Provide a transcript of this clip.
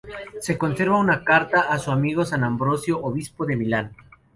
Se conserva una carta a su amigo San Ambrosio, obispo de Milán.